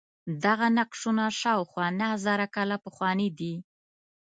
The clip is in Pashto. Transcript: دغه نقشونه شاوخوا نهه زره کاله پخواني دي.